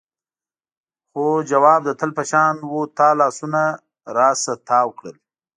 خو ځواب د تل په شان و تا لاسونه رانه تاو کړل.